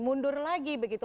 mundur lagi begitu